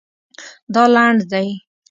دا لنډ دی